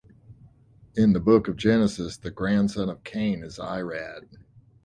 In the book of Genesis, the grandson of Cain is Irad.